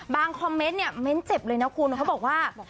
บางคอมเม้นเจ็บเลยนะคุณเขาบอกว่า